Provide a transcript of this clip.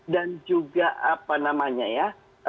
juga apa namanya ya